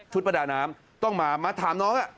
ประดาน้ำต้องมามาถามน้อง